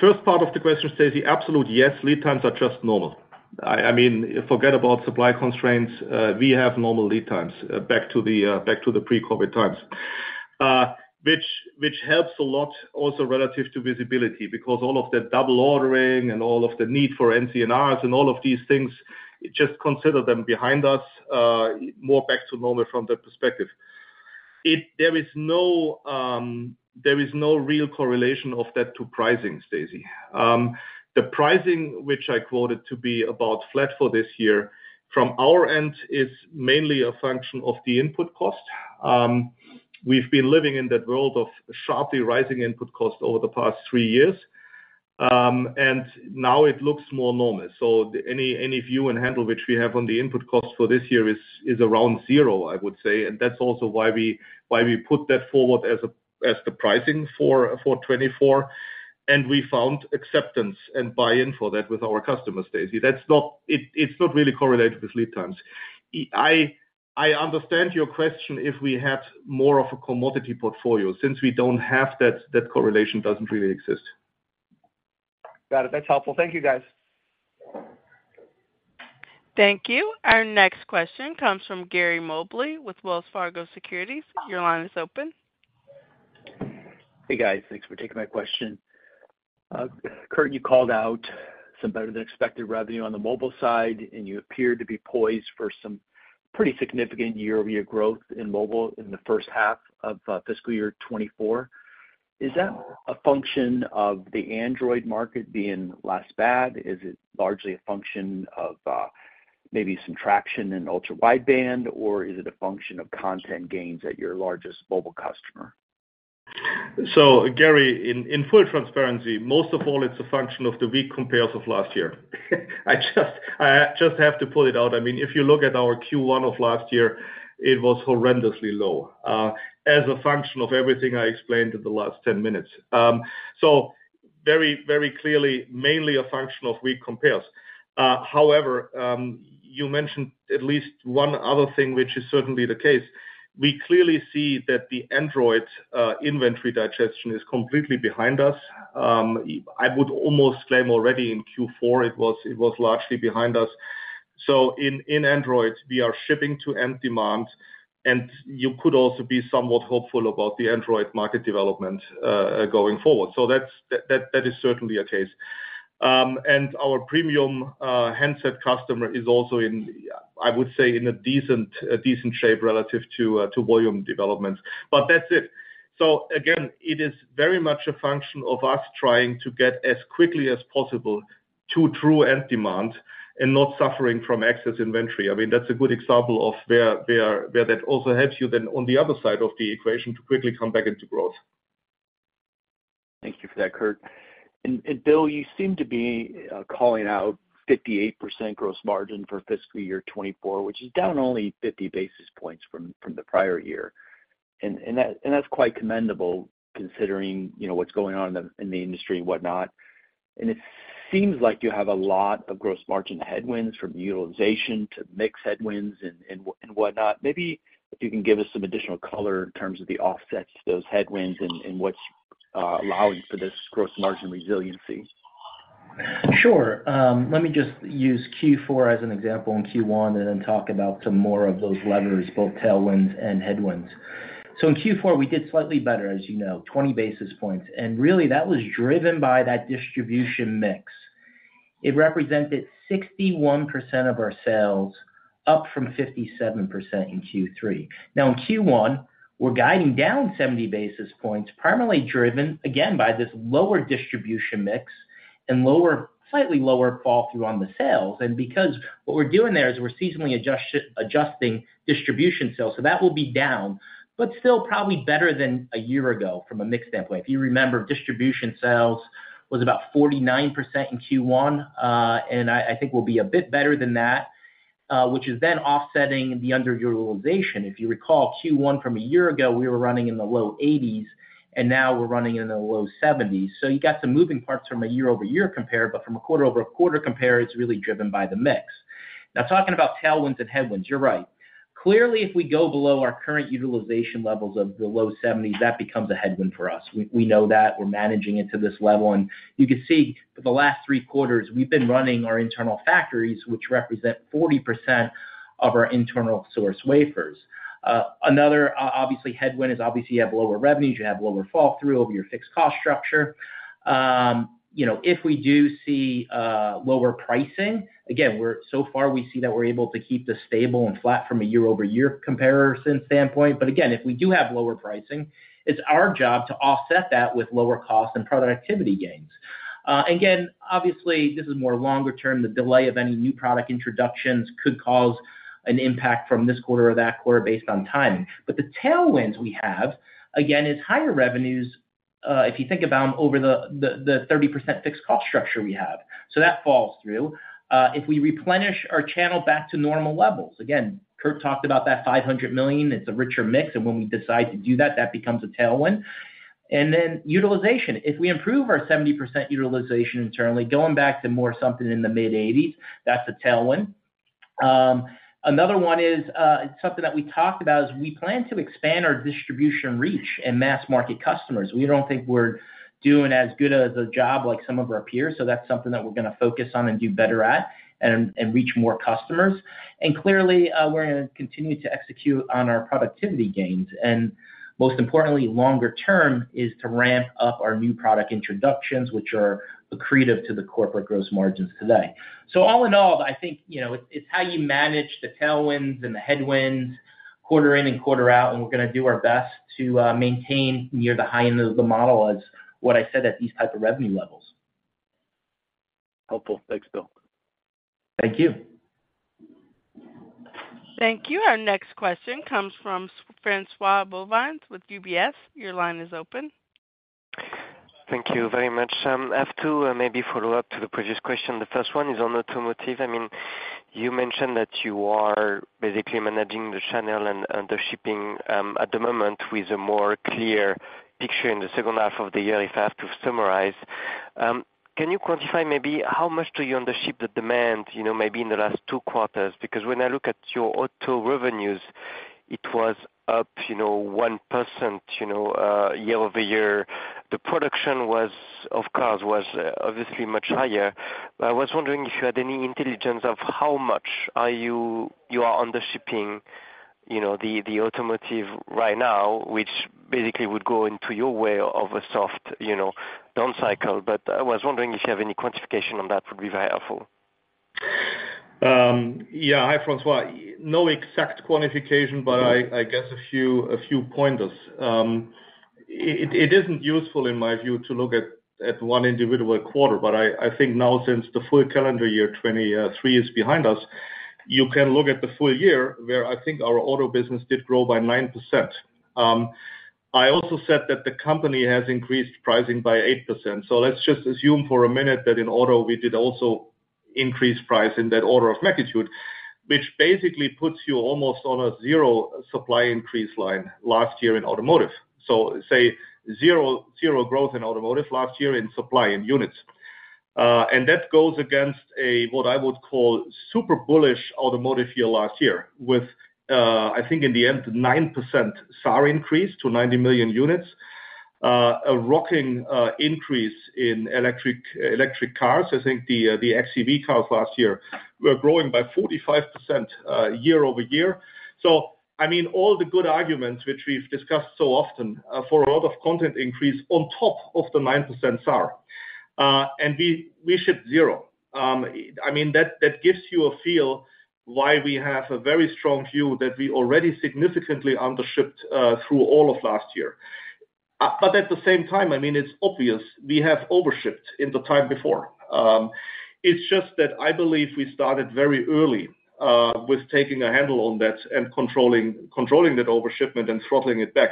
first part of the question, Stacy, absolute, yes, lead times are just normal. I mean, forget about supply constraints, we have normal lead times, back to the pre-COVID times. Which helps a lot also relative to visibility, because all of the double ordering and all of the need for NCNRs and all of these things, just consider them behind us, more back to normal from that perspective. There is no real correlation of that to pricing, Stacy. The pricing, which I quoted to be about flat for this year, from our end, is mainly a function of the input cost. We've been living in that world of sharply rising input costs over the past three years, and now it looks more normal. So any view and handle which we have on the input costs for this year is around zero, I would say. And that's also why we put that forward as the pricing for 2024, and we found acceptance and buy-in for that with our customers, Stacy. That's not... It's not really correlated with lead times. I understand your question, if we had more of a commodity portfolio. Since we don't have that, that correlation doesn't really exist. Got it. That's helpful. Thank you, guys. Thank you. Our next question comes from Gary Mobley with Wells Fargo Securities. Your line is open. Hey, guys. Thanks for taking my question. Kurt, you called out some better-than-expected revenue on the mobile side, and you appear to be poised for some pretty significant year-over-year growth in mobile in the first half of fiscal year 2024. Is that a function of the Android market being less bad? Is it largely a function of maybe some traction in Ultra-Wideband, or is it a function of content gains at your largest mobile customer? ... So Gary, in full transparency, most of all, it's a function of the weak compares of last year. I just have to pull it out. I mean, if you look at our Q1 of last year, it was horrendously low, as a function of everything I explained in the last ten minutes. So very, very clearly, mainly a function of weak compares. However, you mentioned at least one other thing, which is certainly the case. We clearly see that the Android inventory digestion is completely behind us. I would almost claim already in Q4, it was largely behind us. So in Android, we are shipping to end demand, and you could also be somewhat hopeful about the Android market development going forward. So that's certainly a case. And our premium handset customer is also in, I would say, in a decent shape relative to volume development. But that's it. So again, it is very much a function of us trying to get as quickly as possible to true end demand and not suffering from excess inventory. I mean, that's a good example of where that also helps you then on the other side of the equation, to quickly come back into growth. Thank you for that, Kurt. And Bill, you seem to be calling out 58% gross margin for fiscal year 2024, which is down only 50 basis points from the prior year. And that, and that's quite commendable, considering, you know, what's going on in the industry and whatnot. And it seems like you have a lot of gross margin headwinds, from utilization to mix headwinds and whatnot. Maybe if you can give us some additional color in terms of the offsets to those headwinds and what's allowing for this gross margin resiliency? Sure. Let me just use Q4 as an example, and Q1, and then talk about some more of those levers, both tailwinds and headwinds. So in Q4, we did slightly better, as you know, 20 basis points, and really that was driven by that distribution mix. It represented 61% of our sales, up from 57% in Q3. Now in Q1, we're guiding down 70 basis points, primarily driven, again, by this lower distribution mix and lower, slightly lower fall through on the sales. And because what we're doing there is we're seasonally adjusting distribution sales, so that will be down, but still probably better than a year ago from a mix standpoint. If you remember, distribution sales was about 49% in Q1, and I think we'll be a bit better than that, which is then offsetting the underutilization. If you recall, Q1 from a year ago, we were running in the low 80s, and now we're running in the low 70s. So you got some moving parts from a year-over-year compare, but from a quarter-over-quarter compare, it's really driven by the mix. Now, talking about tailwinds and headwinds, you're right. Clearly, if we go below our current utilization levels of the low 70s, that becomes a headwind for us. We know that, we're managing it to this level, and you can see for the last three quarters, we've been running our internal factories, which represent 40% of our internal source wafers. Another, obviously, headwind is obviously you have lower revenues, you have lower fall through over your fixed cost structure. You know, if we do see lower pricing, again, we're so far, we see that we're able to keep this stable and flat from a year-over-year comparison standpoint. But again, if we do have lower pricing, it's our job to offset that with lower costs and productivity gains. Again, obviously, this is more longer term. The delay of any new product introductions could cause an impact from this quarter or that quarter based on timing. But the tailwinds we have, again, is higher revenues, if you think about them over the 30% fixed cost structure we have. So that falls through. If we replenish our channel back to normal levels, again, Kurt talked about that $500 million. It's a richer mix, and when we decide to do that, that becomes a tailwind. And then utilization. If we improve our 70% utilization internally, going back to more something in the mid-80s, that's a tailwind. Another one is something that we talked about: we plan to expand our distribution reach and mass market customers. We don't think we're doing as good as a job like some of our peers, so that's something that we're gonna focus on and do better at and, and reach more customers. And clearly, we're gonna continue to execute on our productivity gains, and most importantly, longer term is to ramp up our new product introductions, which are accretive to the corporate gross margins today. So all in all, I think, you know, it's, it's how you manage the tailwinds and the headwinds quarter in and quarter out, and we're gonna do our best to maintain near the high end of the model, as what I said, at these type of revenue levels. Helpful. Thanks, Bill. Thank you. Thank you. Our next question comes from François-Xavier Bouvignies with UBS. Your line is open. Thank you very much. I have to maybe follow up to the previous question. The first one is on automotive. I mean, you mentioned that you are basically managing the channel and the shipping at the moment with a more clear picture in the second half of the year, if I have to summarize. Can you quantify maybe how much do you undership the demand, you know, maybe in the last two quarters? Because when I look at your auto revenues, it was up, you know, 1%, year-over-year. The production of cars was obviously much higher. I was wondering if you had any intelligence of how much you are undershipping, you know, the automotive right now, which basically would go into your way of a soft, you know, down cycle. I was wondering if you have any quantification on that, would be very helpful. Yeah. Hi, François. No exact quantification, but I guess a few pointers. It isn't useful in my view to look at one individual quarter, but I think now, since the full calendar year 2023 is behind us. You can look at the full year, where I think our auto business did grow by 9%. I also said that the company has increased pricing by 8%. So let's just assume for a minute that in auto, we did also increase price in that order of magnitude, which basically puts you almost on a zero supply increase line last year in automotive. So say zero-zero growth in automotive last year in supply and units. That goes against what I would call a super bullish automotive year last year, with, I think in the end, 9% SAAR increase to 90 million units. A rocketing increase in electric, electric cars. I think the xEV cars last year were growing by 45%, year over year. So I mean, all the good arguments, which we've discussed so often, for a lot of content increase on top of the 9% SAAR. And we shipped zero. I mean, that gives you a feel why we have a very strong view that we already significantly undershipped through all of last year. But at the same time, I mean, it's obvious we have overshipped in the time before. It's just that I believe we started very early with taking a handle on that and controlling that overshipment and throttling it back.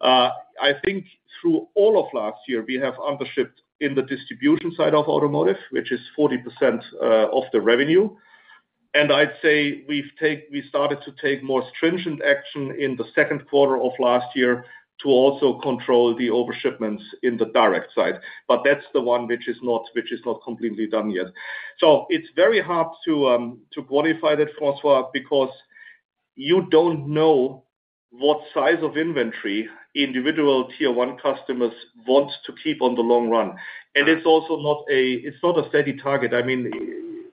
I think through all of last year, we have undershipped in the distribution side of automotive, which is 40% of the revenue. And I'd say we started to take more stringent action in the second quarter of last year to also control the overshipments in the direct side. But that's the one which is not completely done yet. So it's very hard to quantify that, François, because you don't know what size of inventory individual Tier 1 customers want to keep on the long run. And it's also not a steady target. I mean,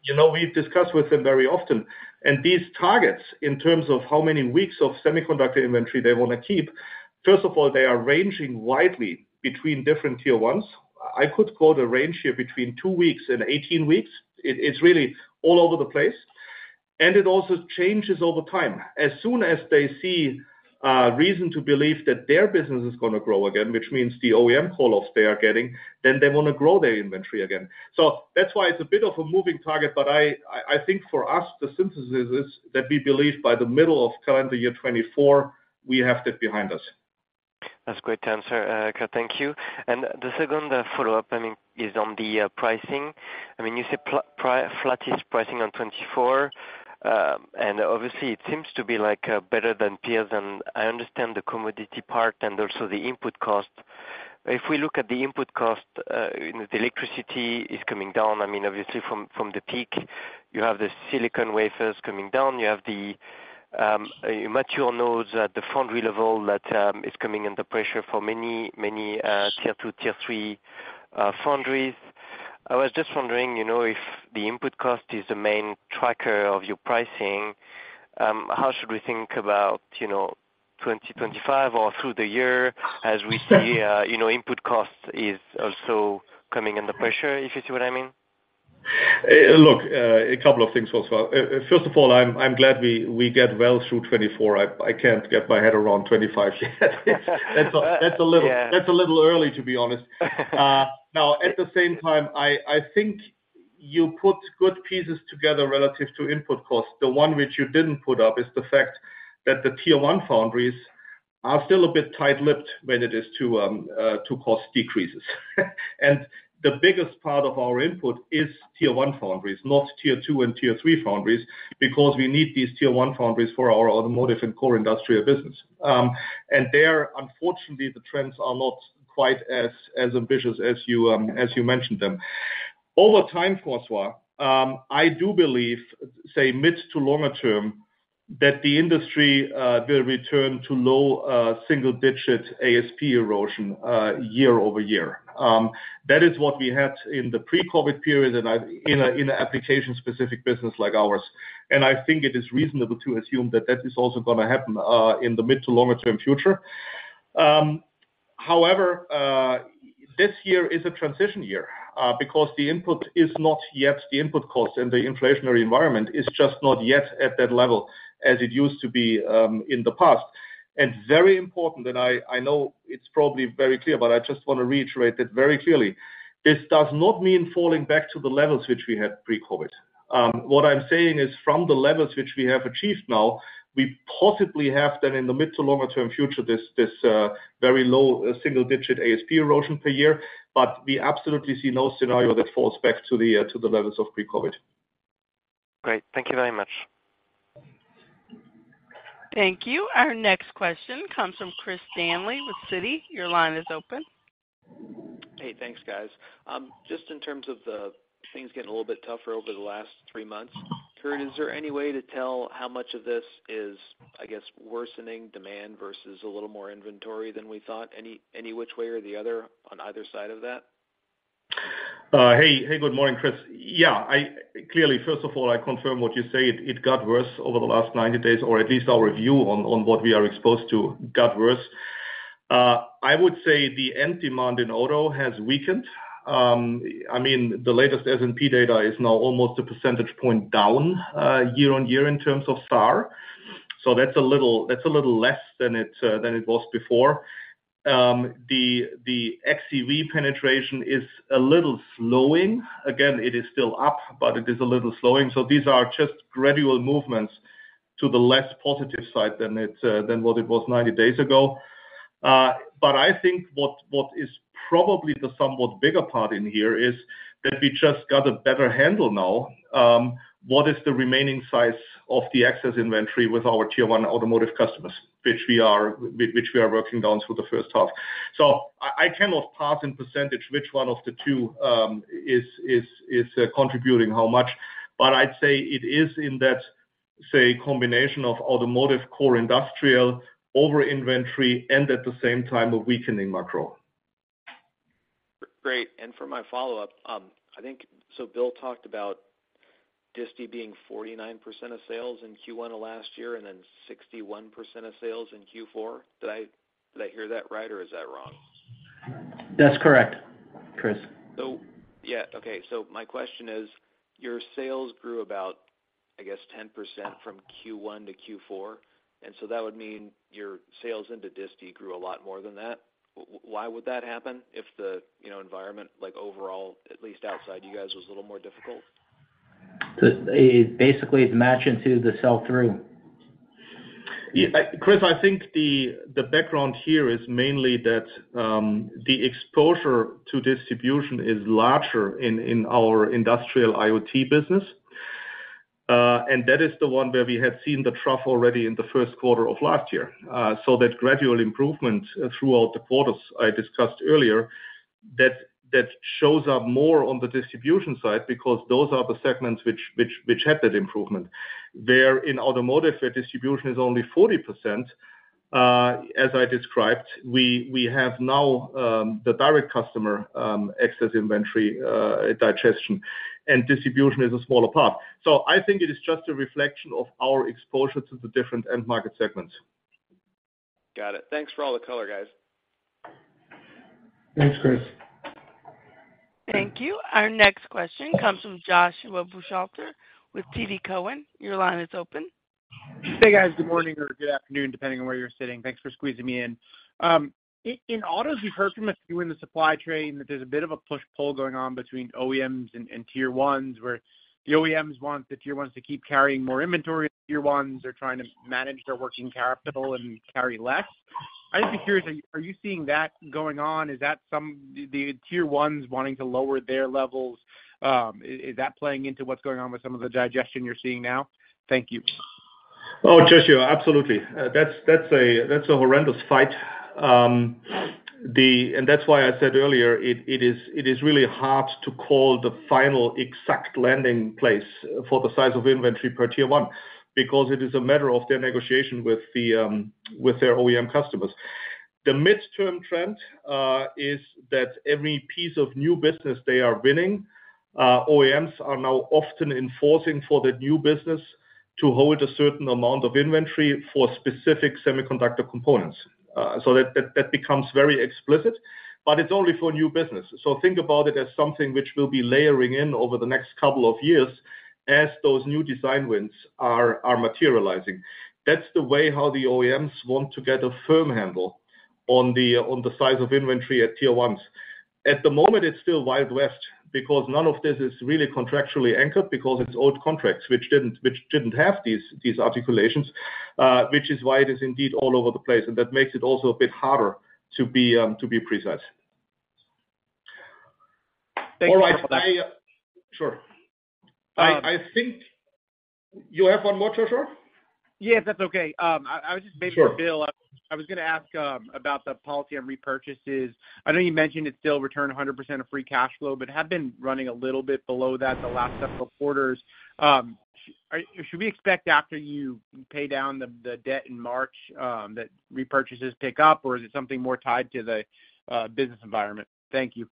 you know, we've discussed with them very often, and these targets, in terms of how many weeks of semiconductor inventory they want to keep, first of all, they are ranging widely between different Tier 1s. I could quote a range here between 2 weeks and 18 weeks. It, it's really all over the place, and it also changes over time. As soon as they see reason to believe that their business is gonna grow again, which means the OEM call-offs they are getting, then they want to grow their inventory again. So that's why it's a bit of a moving target, but I think for us, the synthesis is, that we believe by the middle of calendar year 2024, we have that behind us. That's a great answer, Kurt. Thank you. The second follow-up, I mean, is on the pricing. I mean, you said flattish pricing on 2024, and obviously it seems to be like better than peers. I understand the commodity part and also the input cost. If we look at the input cost, the electricity is coming down. I mean, obviously, from the peak, you have the silicon wafers coming down, you have the mature nodes at the foundry level that is coming under pressure for many, many Tier 2, Tier 3 foundries. I was just wondering, you know, if the input cost is the main tracker of your pricing, how should we think about, you know, 2025 or through the year as we see, you know, input costs is also coming under pressure, if you see what I mean? Look, a couple of things, François. First of all, I'm glad we get well through 2024. I can't get my head around 2025 yet. That's a little- Yeah. That's a little early, to be honest. Now, at the same time, I think you put good pieces together relative to input costs. The one which you didn't put up is the fact that the Tier 1 foundries are still a bit tight-lipped when it is to to cost decreases. And the biggest part of our input is Tier 1 foundries, not Tier 2 and Tier 3 foundries, because we need these Tier 1 foundries for our automotive and core industrial business. And there, unfortunately, the trends are not quite as ambitious as you mentioned them. Over time, François, I do believe, say, mid to longer term, that the industry will return to low single-digit ASP erosion year-over-year. That is what we had in the pre-COVID period, and in an application-specific business like ours, and I think it is reasonable to assume that that is also gonna happen in the mid- to longer-term future. However, this year is a transition year because the input is not yet the input cost, and the inflationary environment is just not yet at that level as it used to be in the past. And very important, and I know it's probably very clear, but I just want to reiterate it very clearly: This does not mean falling back to the levels which we had pre-COVID. What I'm saying is from the levels which we have achieved now, we possibly have then, in the mid to longer term future, this very low single digit ASP erosion per year, but we absolutely see no scenario that falls back to the levels of pre-COVID. Great. Thank you very much. Thank you. Our next question comes from Christopher Danely with Citi. Your line is open. Hey, thanks, guys. Just in terms of the things getting a little bit tougher over the last three months, Kurt, is there any way to tell how much of this is, I guess, worsening demand versus a little more inventory than we thought? Any, any which way or the other, on either side of that? Hey, hey, good morning, Chris. Yeah, clearly, first of all, I confirm what you say. It got worse over the last 90 days, or at least our view on what we are exposed to got worse. I would say the end demand in auto has weakened. I mean, the latest S&P data is now almost a percentage point down year-over-year in terms of SAAR. So that's a little less than it was before. The xEV penetration is a little slowing. Again, it is still up, but it is a little slowing. So these are just gradual movements to the less positive side than it than what it was 90 days ago. But I think what is probably the somewhat bigger part in here is that we just got a better handle now, what is the remaining size of the excess inventory with our Tier 1 automotive customers, which we are working down through the first half. So I cannot pass in percentage which one of the two is contributing how much, but I'd say it is in that, say, combination of automotive core industrial over-inventory and at the same time, a weakening macro. Great. And for my follow-up, I think, so Bill talked about disti being 49% of sales in Q1 of last year, and then 61% of sales in Q4. Did I, did I hear that right, or is that wrong? That's correct, Chris. So, yeah. Okay, so my question is: your sales grew about, I guess, 10% from Q1 to Q4, and so that would mean your sales into disti grew a lot more than that. Why would that happen if the, you know, environment, like, overall, at least outside you guys, was a little more difficult? It basically is matching to the sell-through. Yeah, Chris, I think the background here is mainly that the exposure to distribution is larger in our Industrial IoT business. And that is the one where we had seen the trough already in the first quarter of last year. So that gradual improvement throughout the quarters I discussed earlier, that shows up more on the distribution side because those are the segments which had that improvement. Where in automotive, the distribution is only 40%, as I described, we have now the direct customer excess inventory digestion, and distribution is a smaller part. So I think it is just a reflection of our exposure to the different end market segments. Got it. Thanks for all the color, guys. Thanks, Chris. Thank you. Our next question comes from Joshua Buchalter with TD Cowen. Your line is open. Hey, guys. Good morning or good afternoon, depending on where you're sitting. Thanks for squeezing me in. In autos, we've heard from a few in the supply chain that there's a bit of a push-pull going on between OEMs and Tier 1s, where the OEMs want the Tier 1s to keep carrying more inventory, Tier 1s are trying to manage their working capital and carry less. I'm just curious, are you seeing that going on? Is that the Tier 1s wanting to lower their levels, is that playing into what's going on with some of the digestion you're seeing now? Thank you. Oh, Joshua, absolutely. That's, that's a, that's a horrendous fight. And that's why I said earlier, it, it is, it is really hard to call the final exact landing place for the size of inventory per Tier 1, because it is a matter of their negotiation with the, with their OEM customers. The midterm trend is that every piece of new business they are winning, OEMs are now often enforcing for the new business to hold a certain amount of inventory for specific semiconductor components. So that, that, that becomes very explicit, but it's only for new business. So think about it as something which will be layering in over the next couple of years as those new design wins are materializing. That's the way how the OEMs want to get a firm handle on the size of inventory at Tier 1s. At the moment, it's still Wild West because none of this is really contractually anchored because it's old contracts, which didn't have these articulations, which is why it is indeed all over the place, and that makes it also a bit harder to be precise. Thank you for that. All right. Sure. Uh- I think you have one more, Joshua? Yeah, that's okay. I was just maybe- Sure. Bill, I was gonna ask about the policy on repurchases. I know you mentioned it still return 100% of free cash flow, but have been running a little bit below that the last several quarters. Should we expect after you pay down the debt in March that repurchases pick up, or is it something more tied to the business environment? Thank you.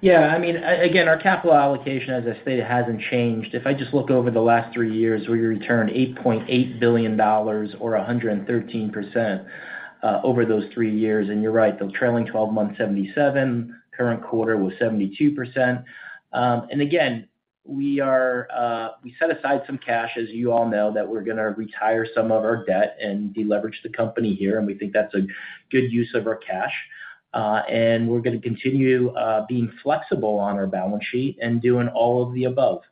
Yeah, I mean, again, our capital allocation, as I stated, hasn't changed. If I just look over the last three years, we returned $8.8 billion or 113% over those three years, and you're right, the trailing 12 months, 77%, current quarter was 72%. And again, we are, we set aside some cash, as you all know, that we're gonna retire some of our debt and deleverage the company here, and we think that's a good use of our cash. And we're gonna continue being flexible on our balance sheet and doing all of the above: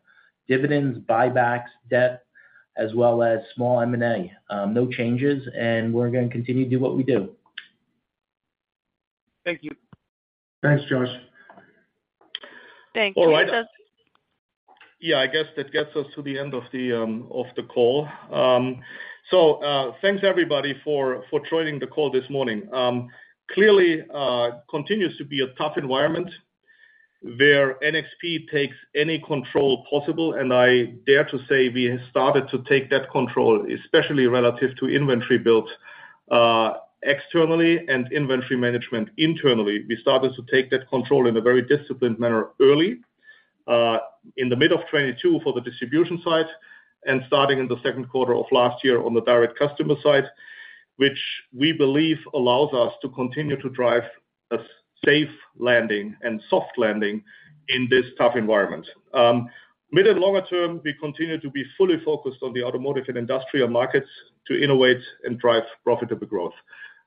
dividends, buybacks, debt, as well as small M&A. No changes, and we're gonna continue to do what we do. Thank you. Thanks, Josh. Thank you. All right. Thanks. Yeah, I guess that gets us to the end of the call. So, thanks everybody for joining the call this morning. Clearly, continues to be a tough environment, where NXP takes any control possible, and I dare to say we have started to take that control, especially relative to inventory built externally and inventory management internally. We started to take that control in a very disciplined manner early in the mid of 2022 for the distribution side, and starting in the second quarter of last year on the direct customer side, which we believe allows us to continue to drive a safe landing and soft landing in this tough environment. Mid and longer term, we continue to be fully focused on the automotive and industrial markets to innovate and drive profitable growth.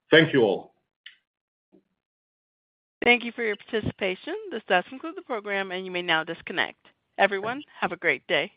Thank you all. Thank you for your participation. This does conclude the program, and you may now disconnect. Everyone, have a great day.